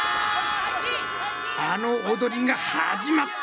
あのおどりが始まった！